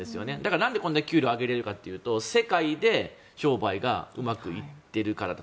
なんでこれだけ給料を上げられるかというと世界で商売がうまくいっているからだと。